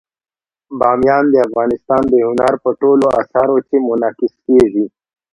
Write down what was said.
بامیان د افغانستان د هنر په ټولو اثارو کې منعکس کېږي.